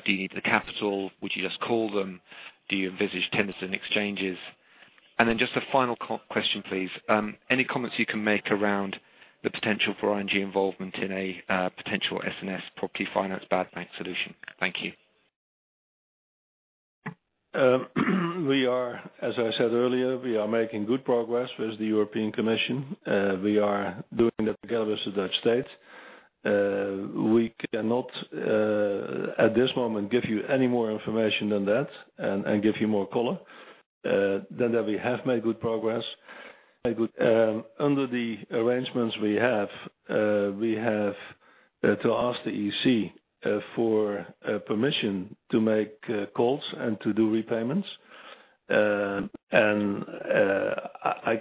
Do you need the capital? Would you just call them? Do you envisage tenders and exchanges? Just a final question, please. Any comments you can make around the potential for ING involvement in a potential SNS Property Finance bad bank solution? Thank you. As I said earlier, we are making good progress with the European Commission. We are doing that together with the Dutch state. We cannot at this moment give you any more information than that and give you more color than that we have made good progress. Under the arrangements we have, we have To ask the EC for permission to make calls and to do repayments. I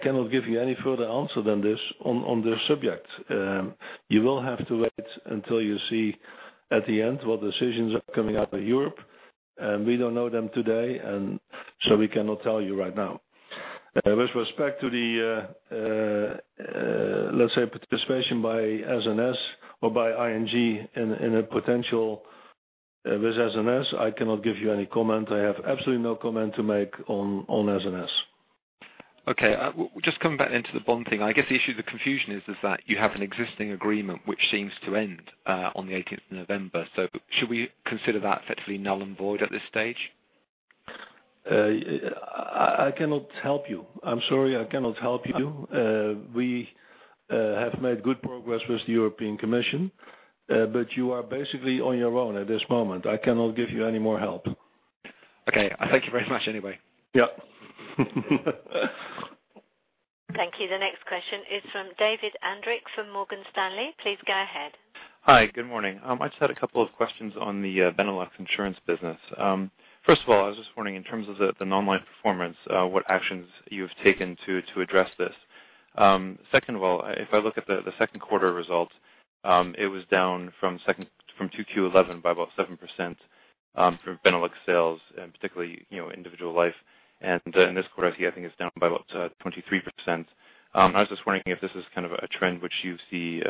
cannot give you any further answer than this on this subject. You will have to wait until you see at the end what decisions are coming out of Europe. We don't know them today, and so we cannot tell you right now. With respect to the, let's say, participation by SNS or by ING in a potential with SNS, I cannot give you any comment. I have absolutely no comment to make on SNS. Okay. Just coming back into the bond thing, I guess the issue, the confusion is that you have an existing agreement which seems to end on the 18th of November. Should we consider that effectively null and void at this stage? I cannot help you. I'm sorry. I cannot help you. We have made good progress with the European Commission, you are basically on your own at this moment. I cannot give you any more help. Okay. Thank you very much anyway. Yeah. Thank you. The next question is from David Andrick from Morgan Stanley. Please go ahead. Hi. Good morning. I just had a couple of questions on the Insurance Benelux business. First of all, I was just wondering in terms of the non-life performance, what actions you have taken to address this. Second of all, if I look at the second quarter results, it was down from 2Q 2011 by about 7% for Benelux sales and particularly individual life. In this quarter, I see I think it's down by about 23%. I was just wondering if this is a trend which you see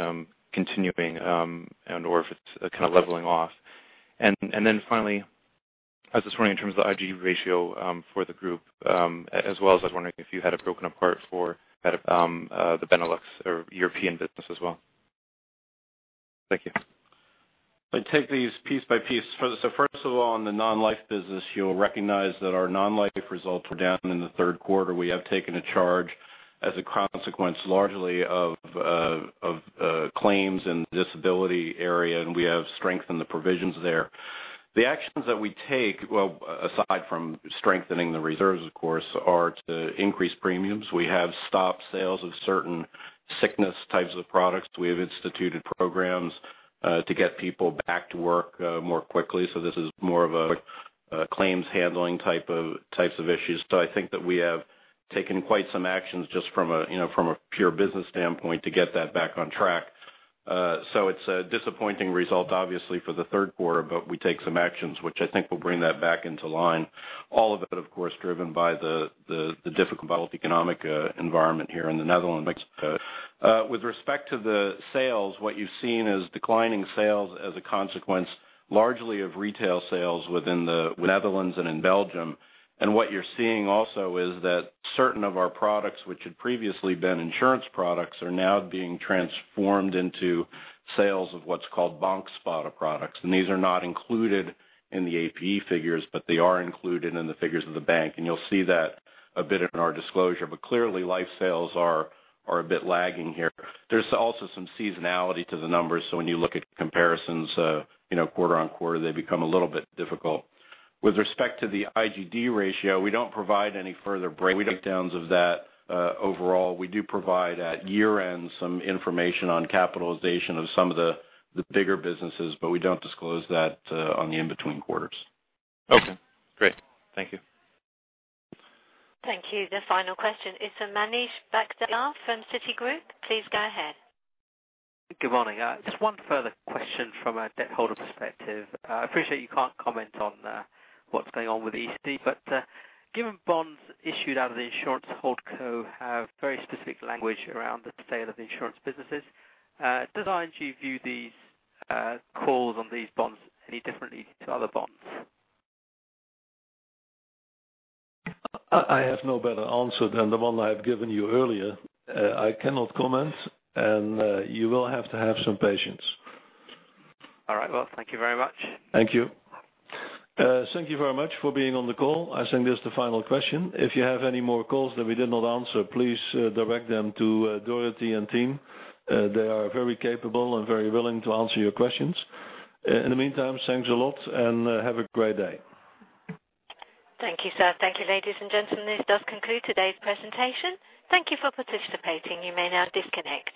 continuing, and/or if it's kind of leveling off. Finally, I was just wondering in terms of the IGD ratio for the group, as well as I was wondering if you had it broken apart for the Insurance Benelux or Insurance Europe business as well. Thank you. I take these piece by piece. First of all, on the non-life business, you'll recognize that our non-life results were down in the third quarter. We have taken a charge as a consequence largely of claims in the disability area, and we have strengthened the provisions there. The actions that we take, aside from strengthening the reserves, of course, are to increase premiums. We have stopped sales of certain sickness types of products. We have instituted programs to get people back to work more quickly, so this is more of a claims handling types of issues. I think that we have taken quite some actions just from a pure business standpoint to get that back on track. It's a disappointing result, obviously, for the third quarter, but we take some actions, which I think will bring that back into line. All of it, of course, driven by the difficult economic environment here in the Netherlands. With respect to the sales, what you've seen is declining sales as a consequence, largely of retail sales within the Netherlands and in Belgium. What you're seeing also is that certain of our products, which had previously been insurance products, are now being transformed into sales of what's called banksparen products. These are not included in the APE figures, but they are included in the figures of the bank. You'll see that a bit in our disclosure. Clearly, life sales are a bit lagging here. There's also some seasonality to the numbers, so when you look at comparisons quarter-on-quarter, they become a little bit difficult. With respect to the IGD ratio, we don't provide any further breakdowns of that overall. We do provide at year-end some information on capitalization of some of the bigger businesses, but we don't disclose that on the in-between quarters. Okay, great. Thank you. Thank you. The final question is from Manish Bagri from Citigroup. Please go ahead. Good morning. Just one further question from a debt holder perspective. I appreciate you can't comment on what's going on with EC, but given bonds issued out of the insurance holdco have very specific language around the sale of the insurance businesses, does ING view these calls on these bonds any differently to other bonds? I have no better answer than the one I have given you earlier. I cannot comment, and you will have to have some patience. All right, well, thank you very much. Thank you. Thank you very much for being on the call. I think that's the final question. If you have any more calls that we did not answer, please direct them to Dorothy and team. They are very capable and very willing to answer your questions. In the meantime, thanks a lot and have a great day. Thank you, sir. Thank you, ladies and gentlemen. This does conclude today's presentation. Thank you for participating. You may now disconnect.